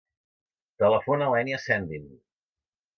Telefona a l'Ènia Sendin.